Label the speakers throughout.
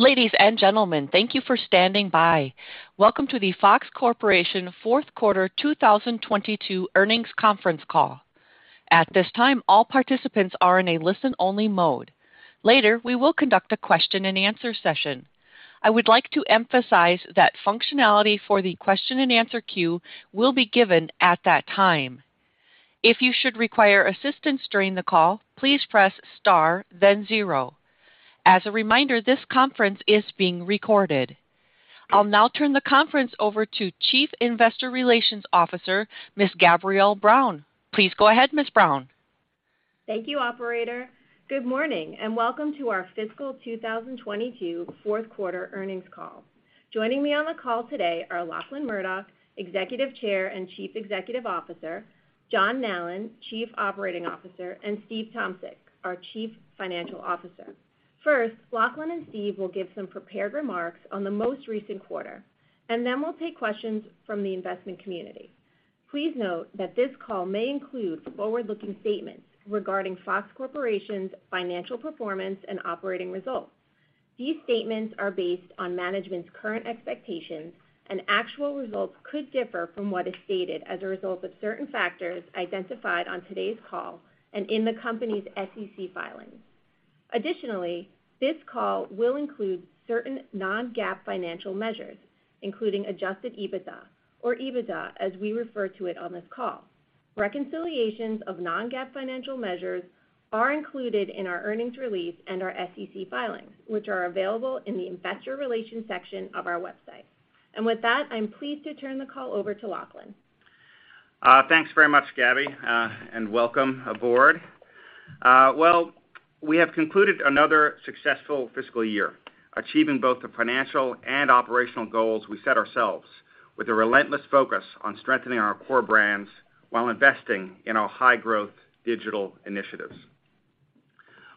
Speaker 1: Ladies and gentlemen, thank you for standing by. Welcome to the Fox Corporation fourth quarter 2022 earnings conference call. At this time, all participants are in a listen-only mode. Later, we will conduct a question-and-answer session. I would like to emphasize that functionality for the question-and-answer queue will be given at that time. If you should require assistance during the call, please press star, then zero. As a reminder, this conference is being recorded. I'll now turn the conference over to Chief Investor Relations Officer, Ms. Gabrielle Brown. Please go ahead, Ms. Brown.
Speaker 2: Thank you, operator. Good morning, and welcome to our fiscal 2022 fourth quarter earnings call. Joining me on the call today are Lachlan Murdoch, Executive Chair and Chief Executive Officer, John Nallen, Chief Operating Officer, and Steve Tomsic, our Chief Financial Officer. First, Lachlan and Steve will give some prepared remarks on the most recent quarter, and then we'll take questions from the investment community. Please note that this call may include forward-looking statements regarding Fox Corporation's financial performance and operating results. These statements are based on management's current expectations, and actual results could differ from what is stated as a result of certain factors identified on today's call and in the company's SEC filings. Additionally, this call will include certain non-GAAP financial measures, including Adjusted EBITDA, or EBITDA, as we refer to it on this call. Reconciliations of non-GAAP financial measures are included in our earnings release and our SEC filings, which are available in the Investor Relations section of our website. With that, I'm pleased to turn the call over to Lachlan.
Speaker 3: Thanks very much, Gabby, and welcome aboard. Well, we have concluded another successful fiscal year, achieving both the financial and operational goals we set ourselves with a relentless focus on strengthening our core brands while investing in our high-growth digital initiatives.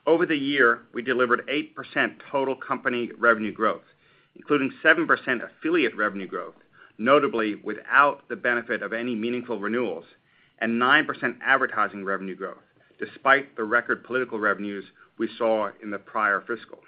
Speaker 3: Over the year, we delivered 8% total company revenue growth, including 7% affiliate revenue growth, notably without the benefit of any meaningful renewals and 9% advertising revenue growth despite the record political revenues we saw in the prior fiscal.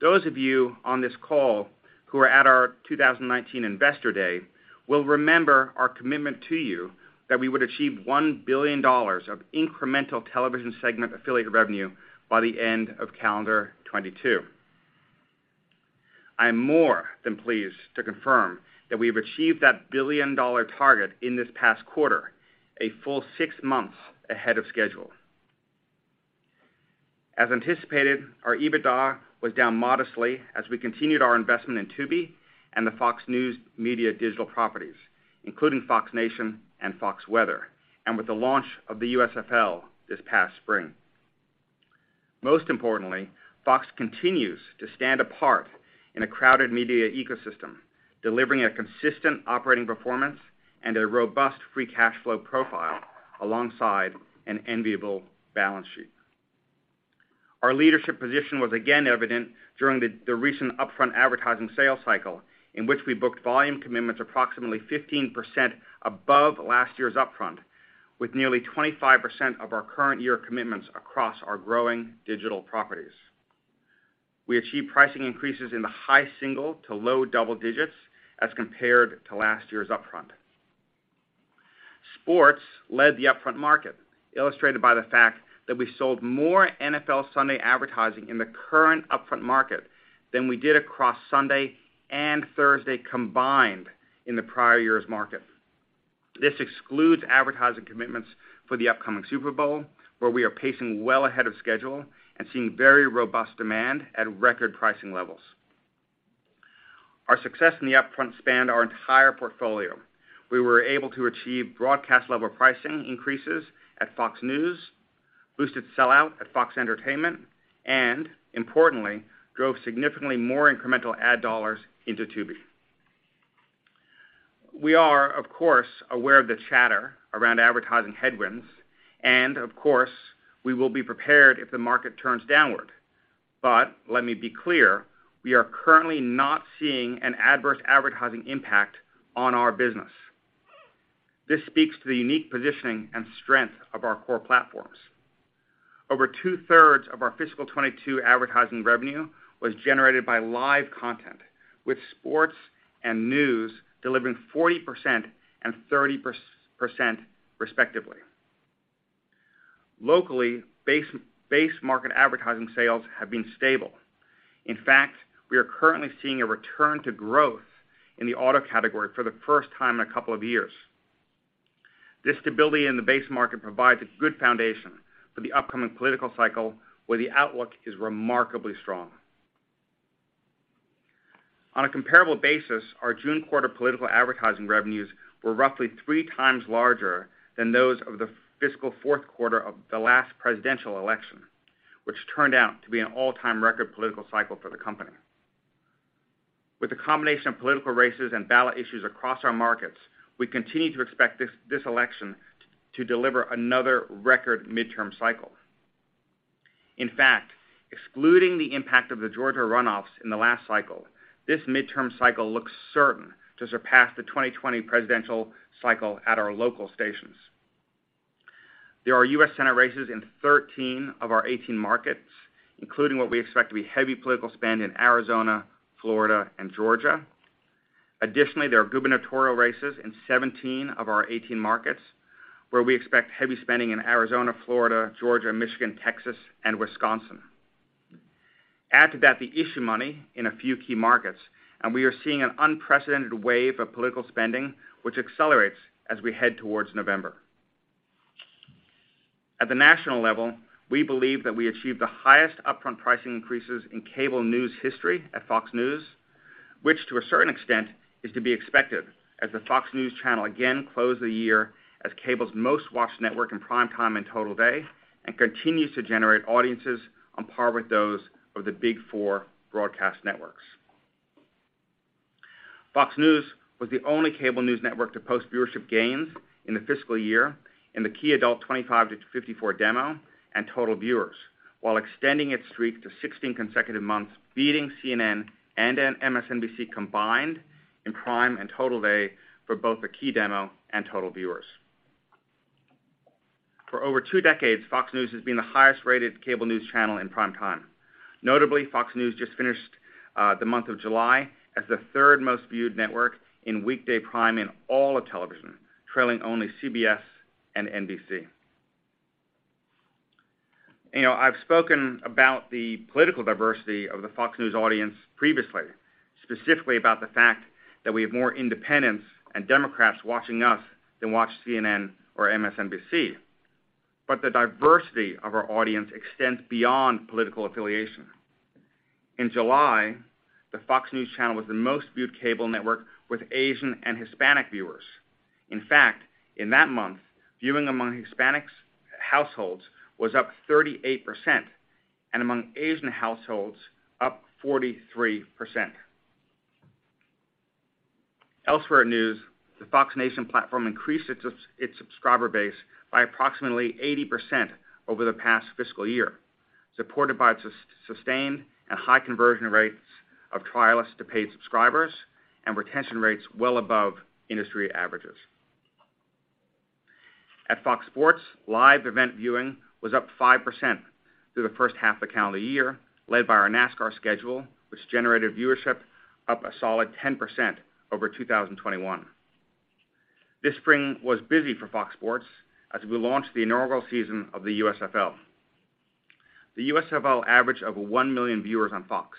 Speaker 3: Those of you on this call who are at our 2019 Investor Day will remember our commitment to you that we would achieve $1 billion of incremental television segment affiliate revenue by the end of calendar 2022. I am more than pleased to confirm that we have achieved that billion-dollar target in this past quarter, a full six months ahead of schedule. As anticipated, our EBITDA was down modestly as we continued our investment in Tubi and the Fox News Media digital properties, including Fox Nation and Fox Weather, and with the launch of the USFL this past spring. Most importantly, Fox continues to stand apart in a crowded media ecosystem, delivering a consistent operating performance and a robust free cash flow profile alongside an enviable balance sheet. Our leadership position was again evident during the recent upfront advertising sales cycle, in which we booked volume commitments approximately 15% above last year's upfront, with nearly 25% of our current year commitments across our growing digital properties. We achieved pricing increases in the high single to low double digits as compared to last year's upfront. Sports led the upfront market, illustrated by the fact that we sold more NFL Sunday advertising in the current upfront market than we did across Sunday and Thursday combined in the prior year's market. This excludes advertising commitments for the upcoming Super Bowl, where we are pacing well ahead of schedule and seeing very robust demand at record pricing levels. Our success in the upfront spanned our entire portfolio. We were able to achieve broadcast-level pricing increases at Fox News, boosted sell-out at Fox Entertainment, and importantly, drove significantly more incremental ad dollars into Tubi. We are, of course, aware of the chatter around advertising headwinds, and of course, we will be prepared if the market turns downward. But let me be clear, we are currently not seeing an adverse advertising impact on our business. This speaks to the unique positioning and strength of our core platforms. Over 2/3 of our fiscal 2022 advertising revenue was generated by live content, with sports and news delivering 40% and 30% respectively. Locally, base market advertising sales have been stable. In fact, we are currently seeing a return to growth in the auto category for the first time in a couple of years. This stability in the base market provides a good foundation for the upcoming political cycle, where the outlook is remarkably strong. On a comparable basis, our June quarter political advertising revenues were roughly 3x larger than those of the fiscal fourth quarter of the last presidential election, which turned out to be an all-time record political cycle for the company. With the combination of political races and ballot issues across our markets, we continue to expect this election to deliver another record midterm cycle. In fact, excluding the impact of the Georgia runoffs in the last cycle, this midterm cycle looks certain to surpass the 2020 presidential cycle at our local stations. There are U.S. Senate races in 13 of our 18 markets, including what we expect to be heavy political spend in Arizona, Florida, and Georgia. Additionally, there are gubernatorial races in 17 of our 18 markets, where we expect heavy spending in Arizona, Florida, Georgia, Michigan, Texas, and Wisconsin. Add to that the issue money in a few key markets, and we are seeing an unprecedented wave of political spending, which accelerates as we head towards November. At the national level, we believe that we achieved the highest upfront pricing increases in cable news history at Fox News, which to a certain extent is to be expected as the Fox News Channel again closed the year as cable's most-watched network in prime time and total day and continues to generate audiences on par with those of the big four broadcast networks. Fox News was the only cable news network to post viewership gains in the fiscal year in the key adult 25-54 demo and total viewers, while extending its streak to 16 consecutive months, beating CNN and MSNBC combined in prime and total day for both the key demo and total viewers. For over 2 decades, Fox News has been the highest-rated cable news channel in prime time. Notably, Fox News just finished the month of July as the third most viewed network in weekday prime in all of television, trailing only CBS and NBC. You know, I've spoken about the political diversity of the Fox News audience previously, specifically about the fact that we have more independents and Democrats watching us than watch CNN or MSNBC. The diversity of our audience extends beyond political affiliation. In July, the Fox News Channel was the most viewed cable network with Asian and Hispanic viewers. In fact, in that month, viewing among Hispanic households was up 38%, and among Asian households up 43%. Elsewhere at News, the Fox Nation platform increased its subscriber base by approximately 80% over the past fiscal year, supported by sustained and high conversion rates of trialists to paid subscribers and retention rates well above industry averages. At Fox Sports, live event viewing was up 5% through the first half of the calendar year, led by our NASCAR schedule, which generated viewership up a solid 10% over 2021. This spring was busy for Fox Sports as we launched the inaugural season of the USFL. The USFL averaged over 1 million viewers on Fox,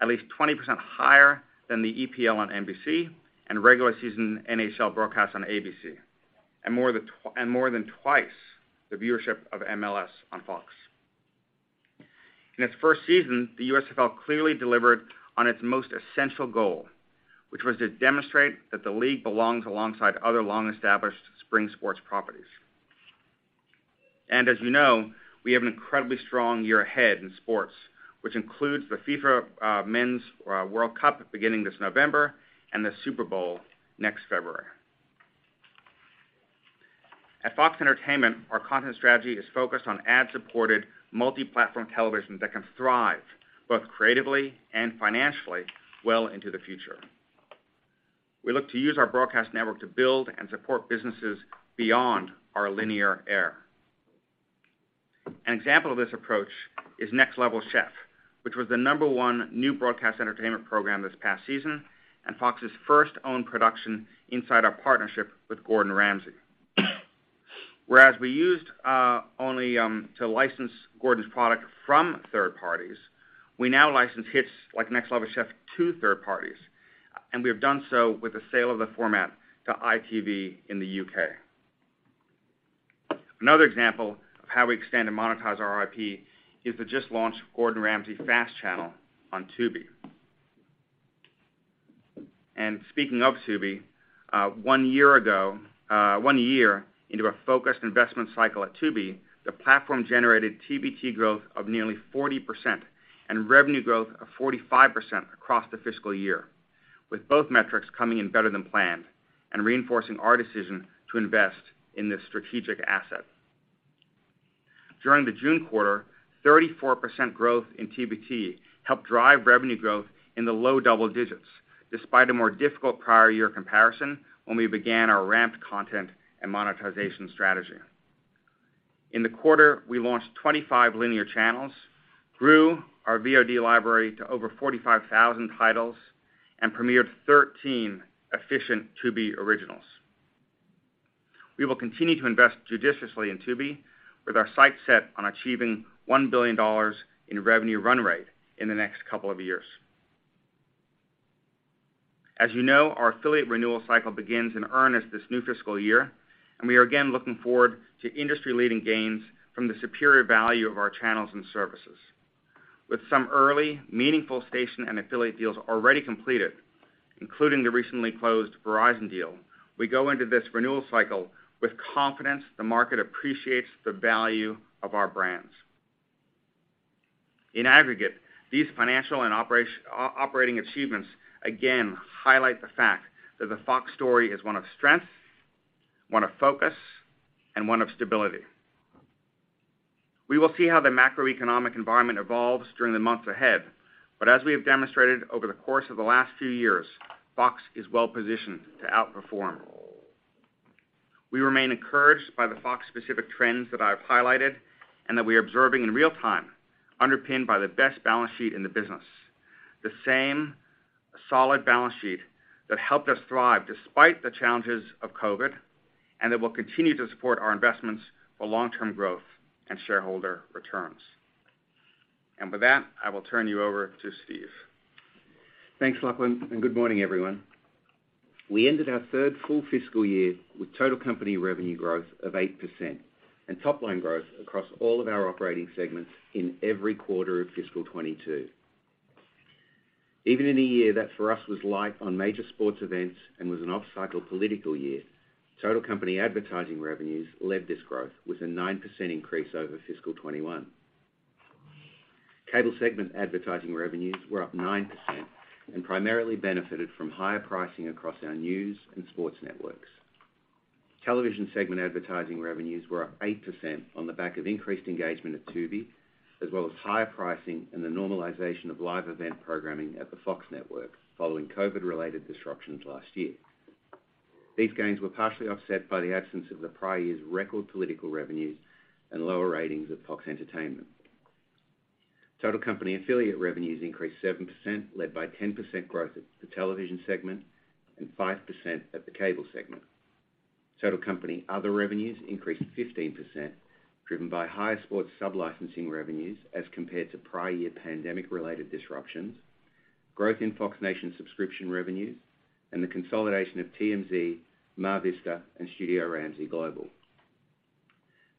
Speaker 3: at least 20% higher than the EPL on NBC and regular season NHL broadcasts on ABC, and more than twice the viewership of MLS on Fox. In its first season, the USFL clearly delivered on its most essential goal, which was to demonstrate that the league belongs alongside other long-established spring sports properties. As you know, we have an incredibly strong year ahead in sports, which includes the FIFA Men's World Cup beginning this November and the Super Bowl next February. At Fox Entertainment, our content strategy is focused on ad-supported multi-platform television that can thrive both creatively and financially well into the future. We look to use our broadcast network to build and support businesses beyond our linear air. An example of this approach is Next Level Chef, which was the number one new broadcast entertainment program this past season and Fox's first owned production inside our partnership with Gordon Ramsay. Whereas we used only to license Gordon's product from third parties, we now license hits like Next Level Chef to third parties, and we have done so with the sale of the format to ITV in the UK. Another example of how we extend and monetize our IP is the just-launched Gordon Ramsay FAST channel on Tubi. Speaking of Tubi, one year ago, one year into a focused investment cycle at Tubi, the platform generated TVT growth of nearly 40% and revenue growth of 45% across the fiscal year, with both metrics coming in better than planned and reinforcing our decision to invest in this strategic asset. During the June quarter, 34% growth in TVT helped drive revenue growth in the low double digits, despite a more difficult prior year comparison when we began our ramped content and monetization strategy. In the quarter, we launched 25 linear channels, grew our VOD library to over 45,000 titles, and premiered 13 efficient Tubi originals. We will continue to invest judiciously in Tubi with our sights set on achieving $1 billion in revenue run rate in the next couple of years. As you know, our affiliate renewal cycle begins in earnest this new fiscal year, and we are again looking forward to industry-leading gains from the superior value of our channels and services. With some early, meaningful station and affiliate deals already completed, including the recently closed Verizon deal, we go into this renewal cycle with confidence the market appreciates the value of our brands. In aggregate, these financial and operating achievements again highlight the fact that the Fox story is one of strength, one of focus, and one of stability. We will see how the macroeconomic environment evolves during the months ahead. As we have demonstrated over the course of the last few years, Fox is well-positioned to outperform. We remain encouraged by the Fox specific trends that I've highlighted and that we're observing in real time, underpinned by the best balance sheet in the business. The same solid balance sheet that helped us thrive despite the challenges of COVID, and that will continue to support our investments for long-term growth and shareholder returns. With that, I will turn you over to Steve.
Speaker 4: Thanks, Lachlan, and good morning, everyone. We ended our third full fiscal year with total company revenue growth of 8% and top-line growth across all of our operating segments in every quarter of fiscal 2022. Even in a year that for us was light on major sports events and was an off-cycle political year, total company advertising revenues led this growth with a 9% increase over fiscal 2021. Cable segment advertising revenues were up 9% and primarily benefited from higher pricing across our news and sports networks. Television segment advertising revenues were up 8% on the back of increased engagement at Tubi, as well as higher pricing and the normalization of live event programming at the Fox network following COVID-related disruptions last year. These gains were partially offset by the absence of the prior year's record political revenues and lower ratings at Fox Entertainment. Total company affiliate revenues increased 7%, led by 10% growth at the television segment and 5% at the cable segment. Total company other revenues increased 15%, driven by higher sports sub-licensing revenues as compared to prior year pandemic-related disruptions, growth in Fox Nation subscription revenues, and the consolidation of TMZ, MarVista, and Studio Ramsay Global.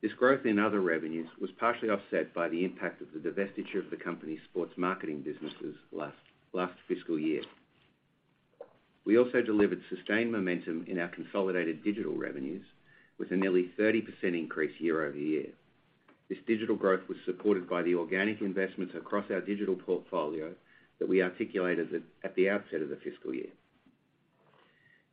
Speaker 4: This growth in other revenues was partially offset by the impact of the divestiture of the company's sports marketing businesses last fiscal year. We also delivered sustained momentum in our consolidated digital revenues with a nearly 30% increase year-over-year. This digital growth was supported by the organic investments across our digital portfolio that we articulated at the outset of the fiscal year.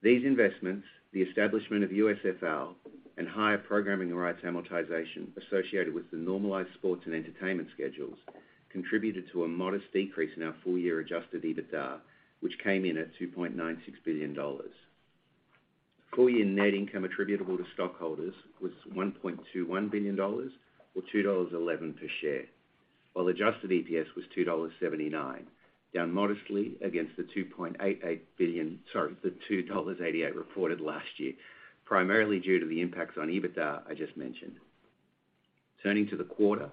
Speaker 4: These investments, the establishment of USFL and higher programming rights amortization associated with the normalized sports and entertainment schedules, contributed to a modest decrease in our full year Adjusted EBITDA, which came in at $2.96 billion. Full year net income attributable to stockholders was $1.21 billion or $2.11 per share, while adjusted EPS was $2.79, down modestly against the $2.88 reported last year, primarily due to the impacts on EBITDA I just mentioned. Turning to the quarter,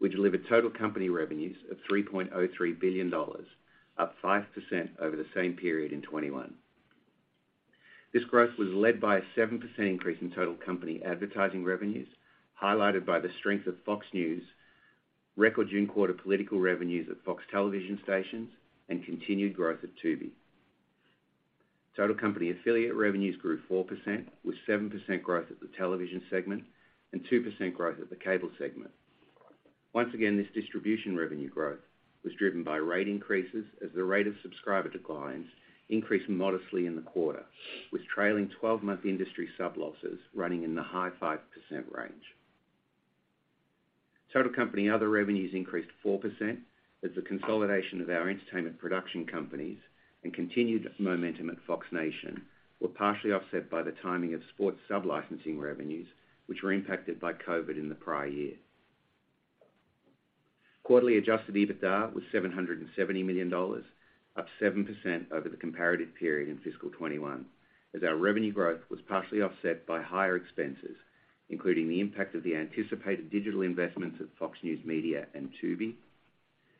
Speaker 4: we delivered total company revenues of $3.03 billion, up 5% over the same period in 2021. This growth was led by a 7% increase in total company advertising revenues, highlighted by the strength of Fox News, record June quarter political revenues at Fox Television Stations, and continued growth at Tubi. Total company affiliate revenues grew 4%, with 7% growth at the television segment and 2% growth at the cable segment. Once again, this distribution revenue growth was driven by rate increases as the rate of subscriber declines increased modestly in the quarter, with trailing 12-month industry sub losses running in the high 5% range. Total company other revenues increased 4% as the consolidation of our entertainment production companies and continued momentum at Fox Nation were partially offset by the timing of sports sub-licensing revenues, which were impacted by COVID in the prior year. Quarterly Adjusted EBITDA was $770 million, up 7% over the comparative period in fiscal 2021, as our revenue growth was partially offset by higher expenses, including the impact of the anticipated digital investments at Fox News Media and Tubi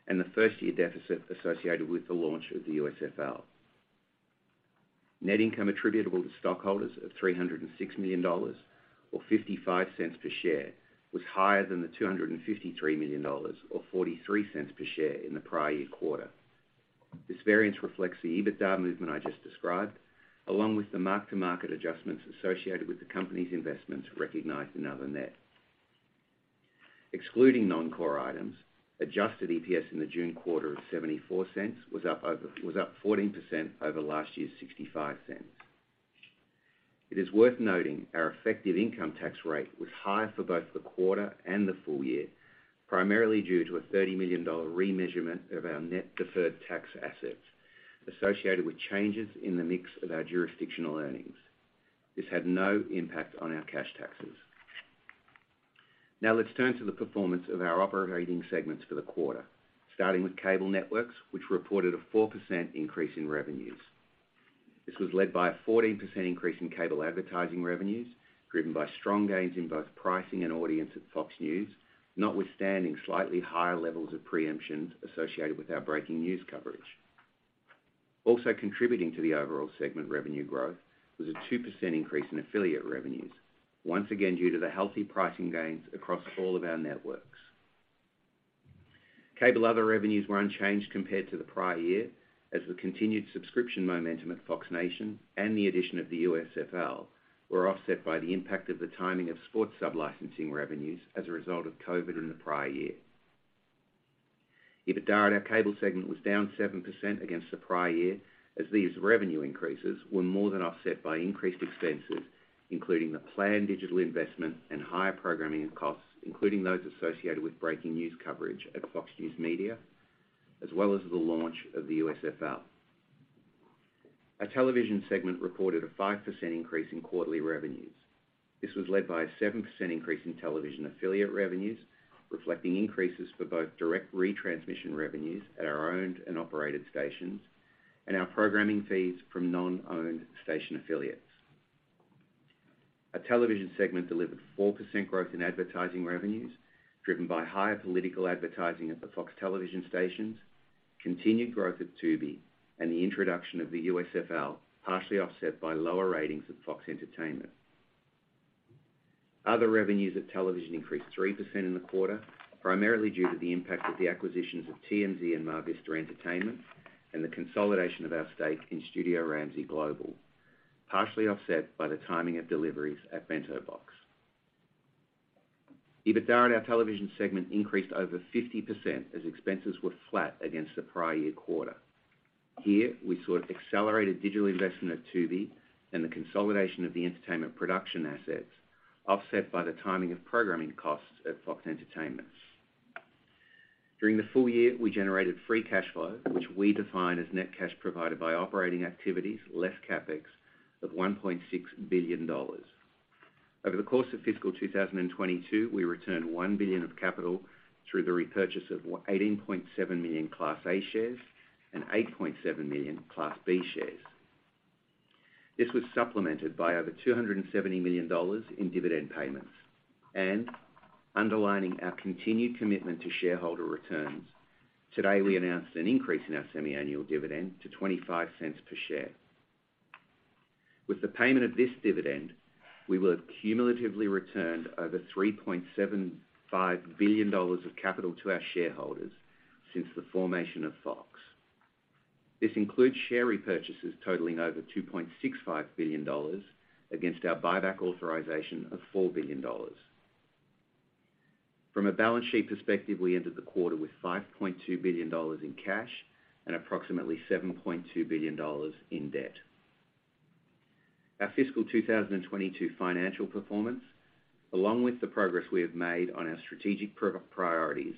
Speaker 4: and the first-year deficit associated with the launch of the USFL. Net income attributable to stockholders of $306 million or $0.55 per share was higher than the $253 million or $0.43 per share in the prior year quarter. This variance reflects the EBITDA movement I just described, along with the mark-to-market adjustments associated with the company's investments recognized in other net. Excluding non-core items, adjusted EPS in the June quarter of $0.74 was up 14% over last year's $0.65. It is worth noting our effective income tax rate was higher for both the quarter and the full year, primarily due to a $30 million remeasurement of our net deferred tax assets associated with changes in the mix of our jurisdictional earnings. This had no impact on our cash taxes. Now let's turn to the performance of our operating segments for the quarter, starting with cable networks, which reported a 4% increase in revenues. This was led by a 14% increase in cable advertising revenues, driven by strong gains in both pricing and audience at Fox News, notwithstanding slightly higher levels of preemption associated with our breaking news coverage. Also contributing to the overall segment revenue growth was a 2% increase in affiliate revenues, once again due to the healthy pricing gains across all of our networks. Cable other revenues were unchanged compared to the prior year as the continued subscription momentum at Fox Nation and the addition of the USFL were offset by the impact of the timing of sports sub-licensing revenues as a result of COVID in the prior year. EBITDA at our cable segment was down 7% against the prior year, as these revenue increases were more than offset by increased expenses, including the planned digital investment and higher programming costs, including those associated with breaking news coverage at Fox News Media, as well as the launch of the USFL. Our television segment reported a 5% increase in quarterly revenues. This was led by a 7% increase in television affiliate revenues, reflecting increases for both direct retransmission revenues at our owned and operated stations and our programming fees from non-owned station affiliates. Our television segment delivered 4% growth in advertising revenues, driven by higher political advertising at the Fox Television Stations, continued growth at Tubi, and the introduction of the USFL, partially offset by lower ratings at Fox Entertainment. Other revenues at television increased 3% in the quarter, primarily due to the impact of the acquisitions of TMZ and MarVista Entertainment and the consolidation of our stake in Studio Ramsay Global, partially offset by the timing of deliveries at Bento Box. EBITDA at our television segment increased over 50% as expenses were flat against the prior year quarter. Here, we saw accelerated digital investment at Tubi and the consolidation of the entertainment production assets offset by the timing of programming costs at Fox Entertainment. During the full year, we generated free cash flow, which we define as net cash provided by operating activities, less CapEx, of $1.6 billion. Over the course of fiscal 2022, we returned $1 billion of capital through the repurchase of 18.7 million Class A shares and 8.7 million Class B shares. This was supplemented by over $270 million in dividend payments. Underlining our continued commitment to shareholder returns, today we announced an increase in our semiannual dividend to $0.25 per share. With the payment of this dividend, we will have cumulatively returned over $3.75 billion of capital to our shareholders since the formation of Fox. This includes share repurchases totaling over $2.65 billion against our buyback authorization of $4 billion. From a balance sheet perspective, we ended the quarter with $5.2 billion in cash and approximately $7.2 billion in debt. Our fiscal 2022 financial performance, along with the progress we have made on our strategic priorities,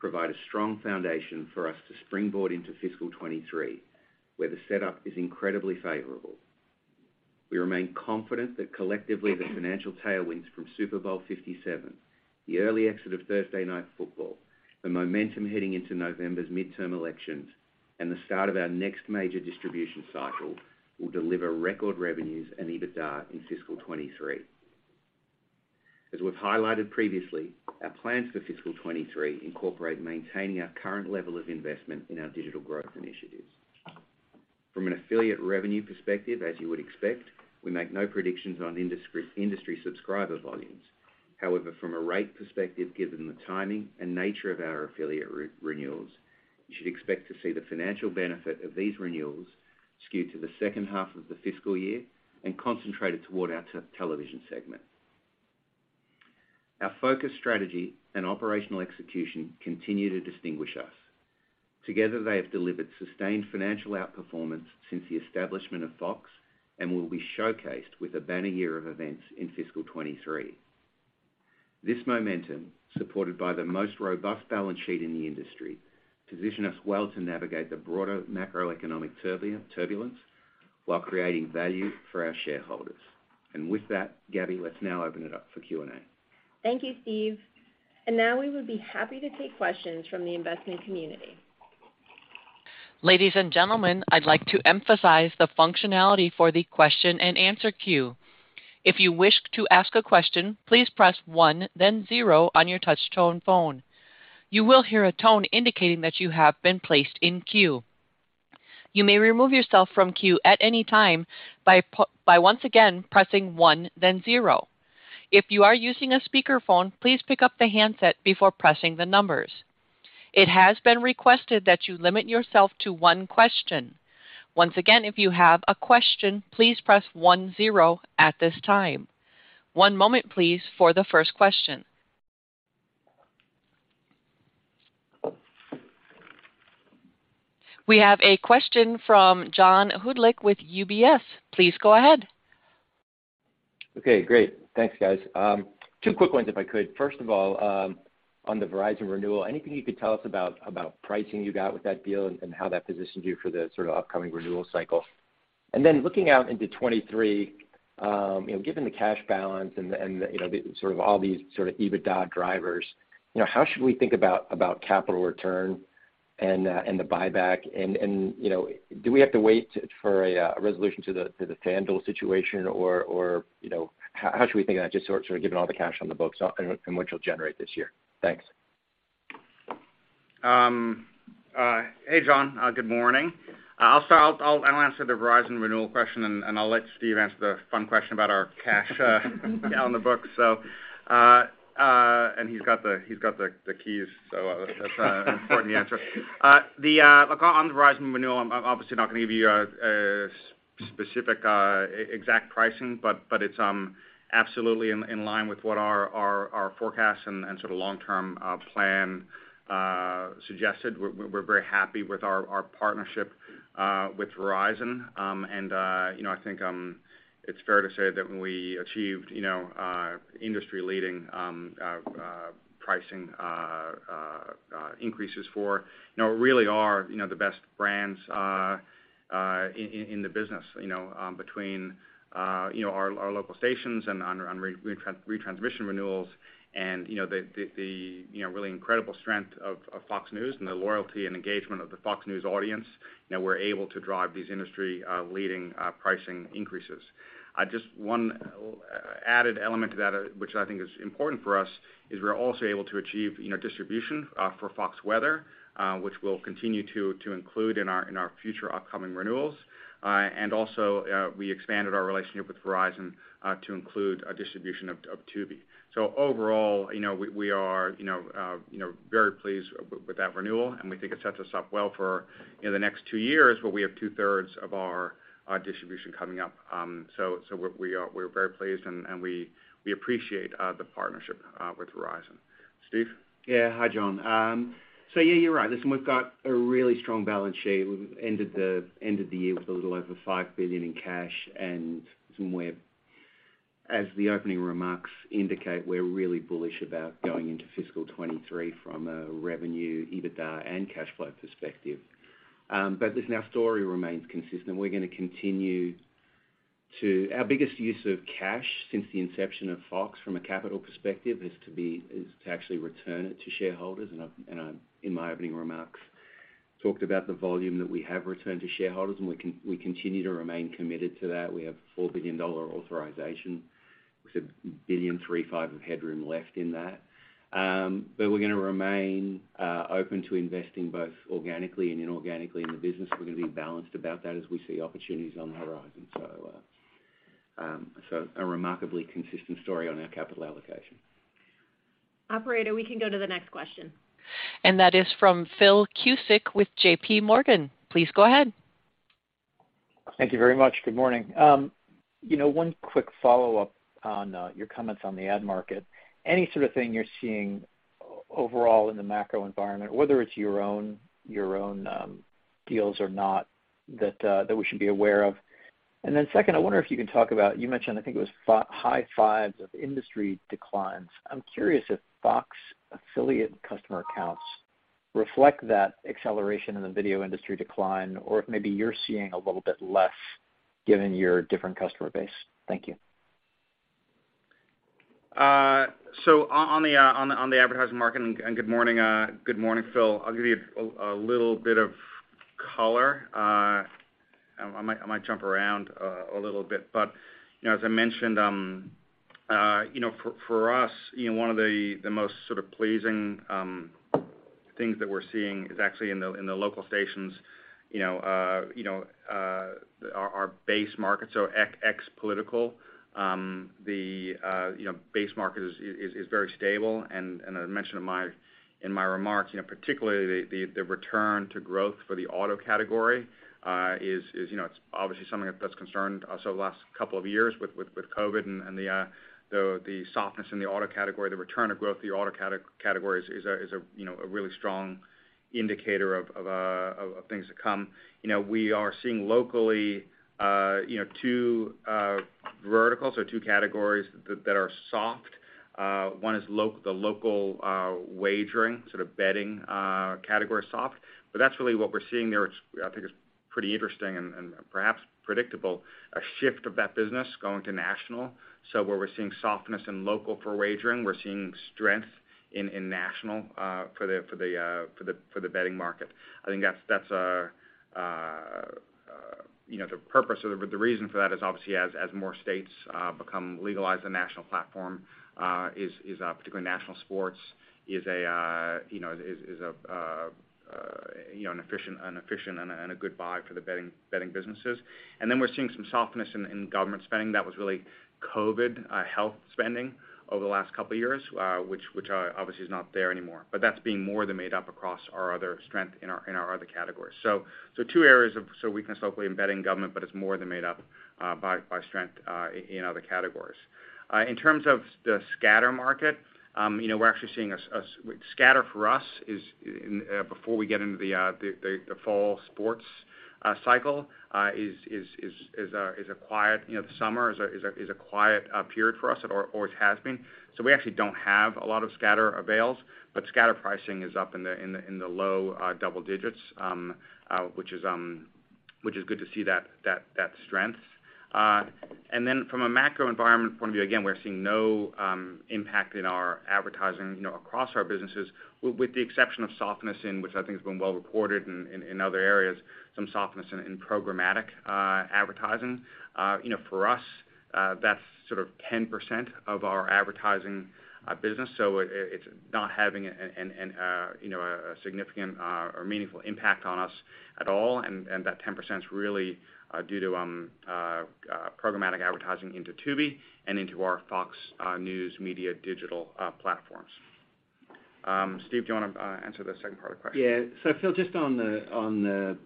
Speaker 4: provides a strong foundation for us to springboard into fiscal 2023, where the setup is incredibly favorable. We remain confident that collectively, the financial tailwinds from Super Bowl 57, the early exit of Thursday Night Football, the momentum heading into November's midterm elections, and the start of our next major distribution cycle will deliver record revenues and EBITDA in fiscal 2023. As we've highlighted previously, our plans for fiscal 2023 incorporate maintaining our current level of investment in our digital growth initiatives. From an affiliate revenue perspective, as you would expect, we make no predictions on industry subscriber volumes. However, from a rate perspective, given the timing and nature of our affiliate re-renewals, you should expect to see the financial benefit of these renewals skewed to the second half of the fiscal year and concentrated toward our television segment. Our focus, strategy, and operational execution continue to distinguish us. Together, they have delivered sustained financial outperformance since the establishment of Fox and will be showcased with a banner year of events in fiscal 2023. This momentum, supported by the most robust balance sheet in the industry, position us well to navigate the broader macroeconomic turbulence while creating value for our shareholders. With that, Gabby, let's now open it up for Q&A.
Speaker 2: Thank you, Steve. Now we would be happy to take questions from the investing community.
Speaker 1: Ladies and gentlemen, I'd like to emphasize the functionality for the question-and-answer queue. If you wish to ask a question, please press one then zero on your touch-tone phone. You will hear a tone indicating that you have been placed in queue. You may remove yourself from queue at any time by once again pressing one then zero. If you are using a speakerphone, please pick up the handset before pressing the numbers. It has been requested that you limit yourself to one question. Once again, if you have a question, please press one-zero at this time. One moment, please, for the first question. We have a question from John Hodulik with UBS. Please go ahead.
Speaker 5: Okay. Great. Thanks, guys. Two quick ones if I could. First of all, on the Verizon renewal, anything you could tell us about pricing you got with that deal and how that positions you for the sort of upcoming renewal cycle? Looking out into 2023, you know, given the cash balance and the you know, the sort of all these sort of EBITDA drivers, you know, how should we think about capital return and the buyback? You know, do we have to wait for a resolution to the FanDuel situation or, you know, how should we think of that, just sort of given all the cash on the books and what you'll generate this year? Thanks.
Speaker 3: Hey, John. Good morning. I'll answer the Verizon renewal question, and I'll let Steve answer the fun question about our cash on the books. He's got the keys, so that's important to answer. Look, on the Verizon renewal, I'm obviously not gonna give you a specific exact pricing, but it's absolutely in line with what our forecast and sort of long-term plan suggested we're very happy with our partnership with Verizon. I think it's fair to say that when we achieved industry-leading pricing increases for really our best brands in the business between our local stations and on retransmission renewals and the really incredible strength of Fox News and the loyalty and engagement of the Fox News audience, you know, we're able to drive these industry leading pricing increases. Just one added element to that, which I think is important for us, is we're also able to achieve, you know, distribution for Fox Weather, which we'll continue to include in our future upcoming renewals. And also, we expanded our relationship with Verizon to include a distribution of Tubi. Overall, you know, we are, you know, very pleased with that renewal, and we think it sets us up well for, you know, the next two years, where we have 2/3 of our distribution coming up. We are very pleased and we appreciate the partnership with Verizon. Steve?
Speaker 4: Yeah. Hi, John. So yeah, you're right. Listen, we've got a really strong balance sheet. We've ended the year with a little over $5 billion in cash. Somewhere, as the opening remarks indicate, we're really bullish about going into fiscal 2023 from a revenue, EBITDA, and cash flow perspective. But listen, our story remains consistent. We're gonna continue to. Our biggest use of cash since the inception of Fox from a capital perspective is to actually return it to shareholders. I'm in my opening remarks, talked about the volume that we have returned to shareholders, and we continue to remain committed to that. We have a $4 billion authorization with $1.35 billion of headroom left in that. But we're gonna remain open to investing both organically and inorganically in the business. We're gonna be balanced about that as we see opportunities on the horizon. A remarkably consistent story on our capital allocation.
Speaker 2: Operator, we can go to the next question.
Speaker 1: That is from Philip Cusick with JP Morgan. Please go ahead.
Speaker 6: Thank you very much. Good morning. You know, one quick follow-up on your comments on the ad market. Any sort of thing you're seeing overall in the macro environment, whether it's your own deals or not, that we should be aware of? Second, I wonder if you can talk about, you mentioned, I think it was high fives of industry declines. I'm curious if Fox affiliate customer accounts reflect that acceleration in the video industry decline or if maybe you're seeing a little bit less given your different customer base. Thank you.
Speaker 3: On the advertising market. Good morning, Phil. I'll give you a little bit of color. I might jump around a little bit. You know, as I mentioned, you know, for us, you know, one of the most sort of pleasing things that we're seeing is actually in the local stations, you know, our base markets are ex-political. You know, base market is very stable. I mentioned in my remarks, you know, particularly the return to growth for the auto category is, you know, it's obviously something that's concerned us over the last couple of years with COVID and the softness in the auto category. The return of growth to the auto category is a, you know, a really strong indicator of things to come. You know, we are seeing locally, you know, two verticals or two categories that are soft. One is the local wagering, sort of betting, category is soft. That's really what we're seeing there. It's, I think, it's pretty interesting and perhaps predictable, a shift of that business going to national. where we're seeing softness in local for wagering, we're seeing strength in national for the betting market. I think that's you know the purpose or the reason for that is obviously as more states become legalized on a national platform, particularly national sports is a you know an efficient and a good buy for the betting businesses. then we're seeing some softness in government spending that was really COVID health spending over the last couple of years which obviously is not there anymore. that's being more than made up across our other strength in our other categories. Two areas of sort of weakness local, betting, government, but it's more than made up by strength in other categories. In terms of the scatter market, you know, we're actually seeing scatter for us is before we get into the fall sports cycle is a quiet, you know, the summer is a quiet period for us or it has been. We actually don't have a lot of scatter avails, but scatter pricing is up in the low double digits, which is good to see that strength. From a macro environment point of view, again, we're seeing no impact in our advertising, you know, across our businesses with the exception of softness, which I think has been well reported in other areas, some softness in programmatic advertising. You know, for us, that's sort of 10% of our advertising business. It's not having an, you know, a significant or meaningful impact on us at all. That 10% is really due to programmatic advertising into Tubi and into our Fox News Media digital platforms. Steve, do you want to answer the second part of the question?
Speaker 4: Yeah. Phil, just on the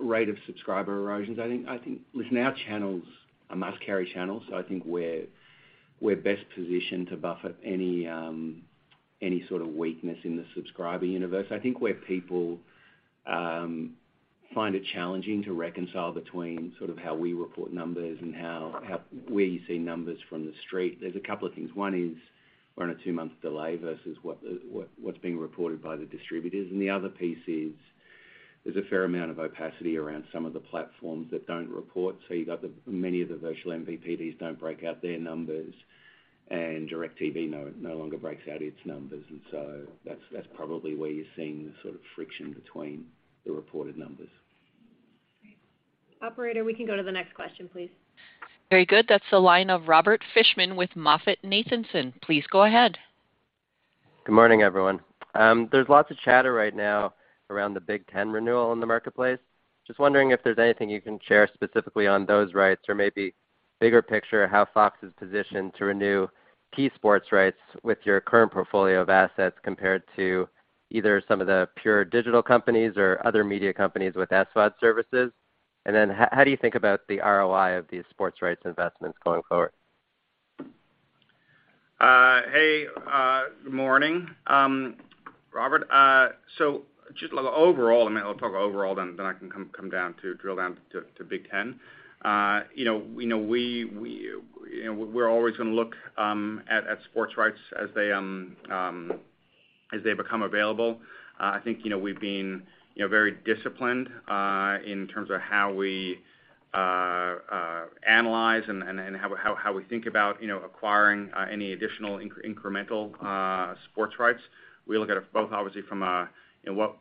Speaker 4: rate of subscriber erosions, I think listen, our channels are must-carry channels, so I think we're best positioned to buffer any sort of weakness in the subscriber universe. I think where people find it challenging to reconcile between sort of how we report numbers and where you see numbers from The Street, there's a couple of things. One is we're on a two-month delay versus what's being reported by the distributors. The other piece is there's a fair amount of opacity around some of the platforms that don't report. You've got many of the virtual MVPDs don't break out their numbers, and DIRECTV no longer breaks out its numbers. That's probably where you're seeing the sort of friction between the reported numbers.
Speaker 3: Great.
Speaker 2: Operator, we can go to the next question, please.
Speaker 1: Very good. That's the line of Robert Fishman with MoffettNathanson. Please go ahead.
Speaker 7: Good morning, everyone. There's lots of chatter right now around the Big Ten renewal in the marketplace. Just wondering if there's anything you can share specifically on those rights or maybe bigger picture, how Fox is positioned to renew key sports rights with your current portfolio of assets compared to either some of the pure digital companies or other media companies with SVOD services. How do you think about the ROI of these sports rights investments going forward?
Speaker 3: Hey, good morning, Robert. Just overall, I mean, I'll talk overall then I can come down to drill down to Big Ten. You know, we know we're always gonna look at sports rights as they become available. I think, you know, we've been, you know, very disciplined in terms of how we analyze and how we think about, you know, acquiring any additional incremental sports rights. We look at it both obviously from, you know, what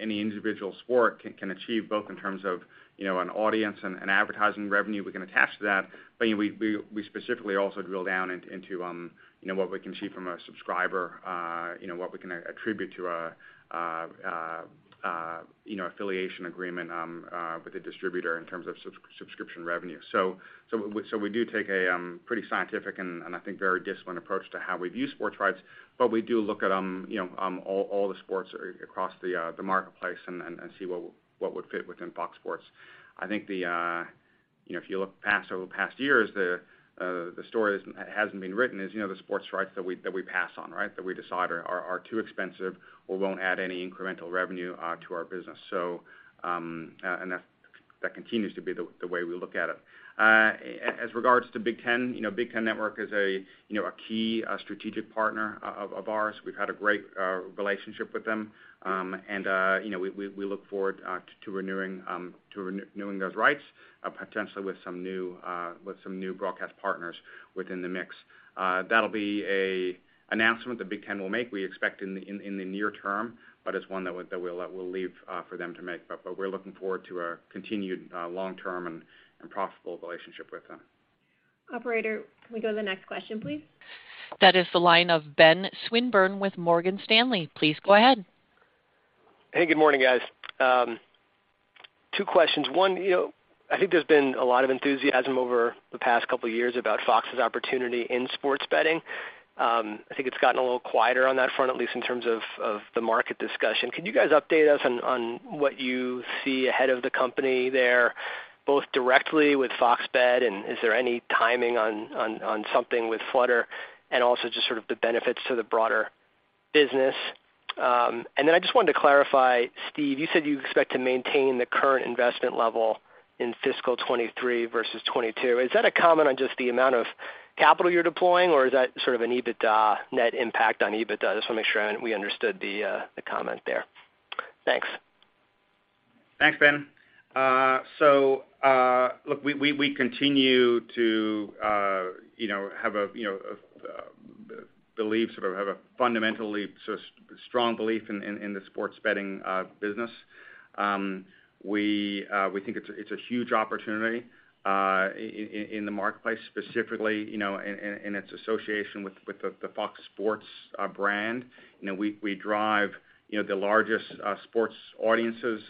Speaker 3: any individual sport can achieve, both in terms of, you know, an audience and advertising revenue we can attach to that. You know, we specifically also drill down into you know, what we can achieve from a subscriber you know, what we can attribute to a you know, affiliation agreement with the distributor in terms of subscription revenue. We do take a pretty scientific and I think very disciplined approach to how we view sports rights, but we do look at you know, all the sports across the marketplace and see what would fit within Fox Sports. I think you know, if you look over the past years, the story hasn't been written is you know, the sports rights that we pass on, right? That we decide are too expensive or won't add any incremental revenue to our business. That continues to be the way we look at it. As regards to Big Ten, you know, Big Ten Network is a key strategic partner of ours. We've had a great relationship with them. You know, we look forward to renewing those rights potentially with some new broadcast partners within the mix. That'll be an announcement that Big Ten will make, we expect in the near term, but it's one that we'll leave for them to make. We're looking forward to our continued long-term and profitable relationship with them.
Speaker 2: Operator, can we go to the next question, please?
Speaker 1: That is the line of Benjamin Swinburne with Morgan Stanley. Please go ahead.
Speaker 8: Hey, good morning, guys. Two questions. One, you know, I think there's been a lot of enthusiasm over the past couple of years about Fox's opportunity in sports betting. I think it's gotten a little quieter on that front, at least in terms of of the market discussion. Can you guys update us on what you see ahead of the company there, both directly with FOX Bet and is there any timing on something with Flutter, and also just sort of the benefits to the broader business? And then I just wanted to clarify, Steve, you said you expect to maintain the current investment level in fiscal 2023 versus 2022. Is that a comment on just the amount of capital you're deploying, or is that sort of an EBITDA net impact on EBITDA? We just want to make sure we understood the comment there. Thanks.
Speaker 3: Thanks, Ben. So, look, we continue to, you know, have a, you know, a belief, sort of have a fundamentally sort of strong belief in the sports betting business. We think it's a huge opportunity in the marketplace specifically, you know, in its association with the Fox Sports brand. You know, we drive, you know, the largest sports audiences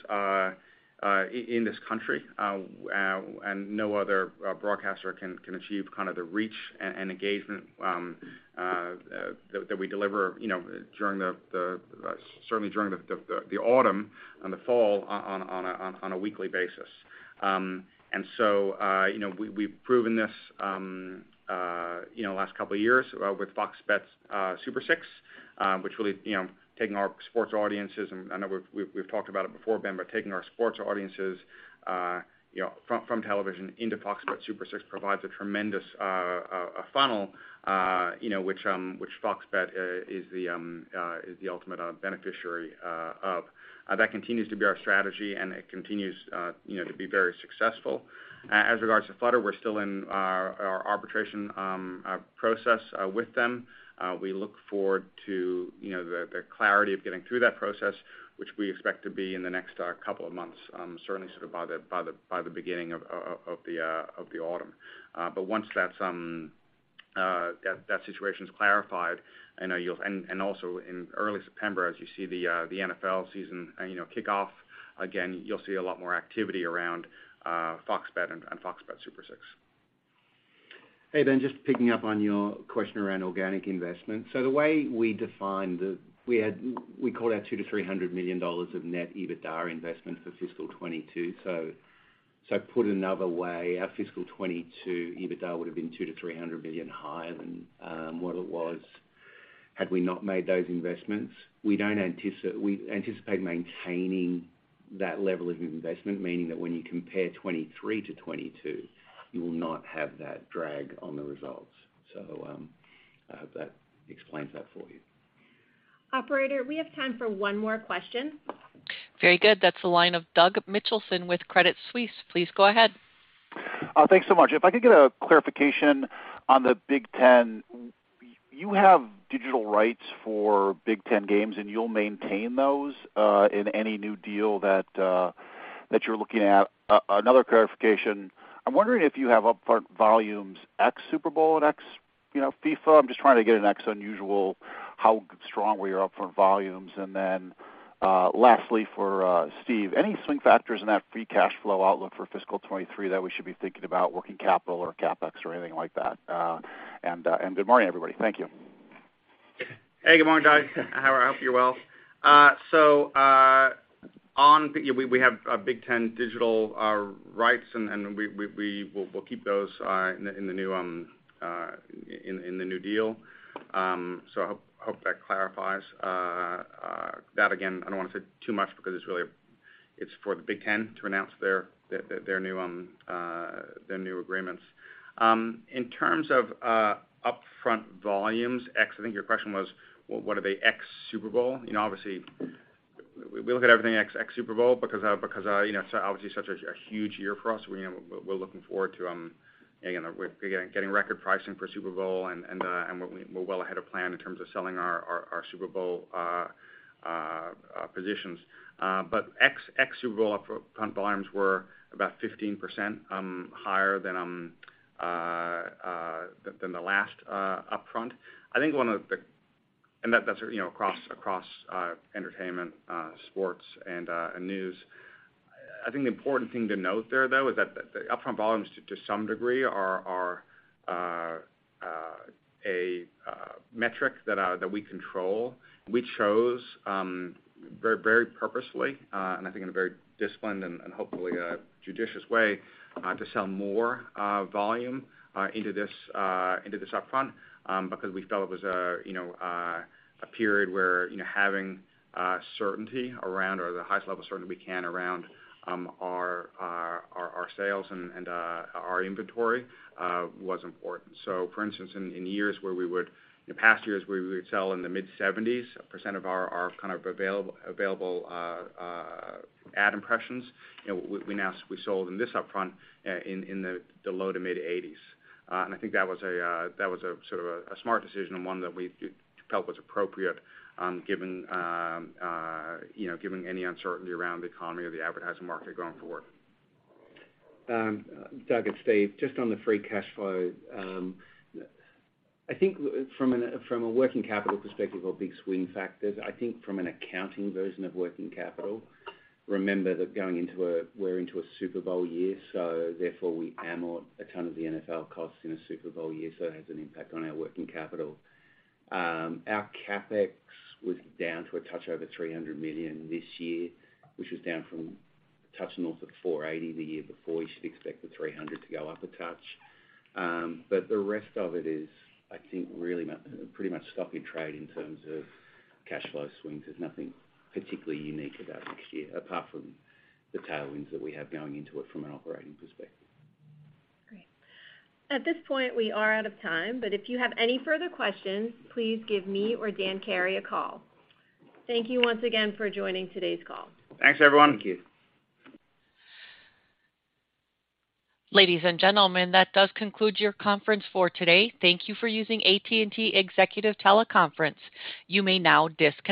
Speaker 3: in this country, and no other broadcaster can achieve kind of the reach and engagement that we deliver, you know, certainly during the autumn and the fall on a weekly basis. You know, we've proven this you know last couple of years with FOX Bet's Super 6, which really you know taking our sports audiences, and I know we've talked about it before, Ben, but taking our sports audiences you know from television into FOX Bet Super 6 provides a tremendous funnel you know which FOX Bet is the ultimate beneficiary of. That continues to be our strategy and it continues you know to be very successful. As regards to Flutter, we're still in our arbitration process with them. We look forward to, you know, the clarity of getting through that process, which we expect to be in the next couple of months, certainly sort of by the beginning of the autumn. Once that situation's clarified, I know and also in early September, as you see the NFL season, you know, kick off again, you'll see a lot more activity around FOX Bet and FOX Super 6.
Speaker 4: Hey, Ben, just picking up on your question around organic investment. So the way we define, we had, we called out $200 million-$300 million of net EBITDAR investment for fiscal 2022. Put another way, our fiscal 2022 EBITDAR would've been $200 million-$300 million higher than what it was had we not made those investments. We anticipate maintaining that level of investment, meaning that when you compare 2023 to 2022, you will not have that drag on the results. I hope that explains that for you.
Speaker 2: Operator, we have time for one more question.
Speaker 1: Very good. That's the line of Douglas Mitchelson with Credit Suisse. Please go ahead.
Speaker 9: Thanks so much. If I could get a clarification on the Big Ten. You have digital rights for Big Ten games, and you'll maintain those in any new deal that you're looking at. Another clarification, I'm wondering if you have upfront volumes ex-Super Bowl and ex, you know, FIFA. I'm just trying to get an ex-unusual, how strong were your upfront volumes. Then, lastly, for Steve. Any swing factors in that free cash flow outlook for fiscal 2023 that we should be thinking about, working capital or CapEx or anything like that? Good morning, everybody. Thank you.
Speaker 3: Hey, good morning, Doug. I hope you're well. So, yeah, we have Big Ten digital rights and we will keep those in the new deal. So I hope that clarifies. That again, I don't wanna say too much because it's really for the Big Ten to announce their new agreements. In terms of upfront volumes, I think your question was, well, what are they ex-Super Bowl? You know, obviously we look at everything ex-Super Bowl because you know, it's obviously such a huge year for us. We're looking forward to again, we're getting record pricing for Super Bowl and we're well ahead of plan in terms of selling our Super Bowl positions. Ex-Super Bowl upfront volumes were about 15% higher than the last upfront. That's you know across entertainment, sports and news. I think the important thing to note there, though, is that the upfront volumes to some degree are a metric that we control. We chose very, very purposefully, and I think in a very disciplined and hopefully a judicious way to sell more volume into this upfront because we felt it was a you know a period where you know having certainty around or the highest level of certainty we can around our sales and our inventory was important. For instance, in past years where we would sell in the mid-70s% of our kind of available ad impressions, you know, we now sold in this upfront in the low- to mid-80s%. I think that was a sort of a smart decision and one that we felt was appropriate, given, you know, any uncertainty around the economy or the advertising market going forward.
Speaker 4: Doug, it's Steve. Just on the free cash flow. I think from a working capital perspective or big swing factors, I think from an accounting version of working capital, remember that we're into a Super Bowl year, so therefore we amortize a ton of the NFL costs in a Super Bowl year, so it has an impact on our working capital. Our CapEx was down to a touch over $300 million this year, which was down from a touch north of $480 million the year before. You should expect the $300 million to go up a touch. But the rest of it is, I think, really pretty much stock in trade in terms of cash flow swings. There's nothing particularly unique about next year, apart from the tailwinds that we have going into it from an operating perspective.
Speaker 2: Great. At this point, we are out of time, but if you have any further questions, please give me or Dan Carey a call. Thank you once again for joining today's call.
Speaker 3: Thanks, everyone.
Speaker 1: Thank you. Ladies and gentlemen, that does conclude your conference for today. Thank you for using AT&T Executive Teleconference. You may now disconnect.